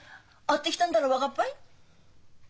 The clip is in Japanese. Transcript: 会ってきたんだら分かっぱい？